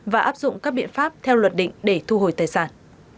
và áp dụng các biện pháp theo luật định để thu hồi tài sản